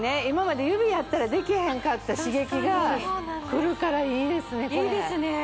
今まで指やったらできへんかった刺激がくるからいいですね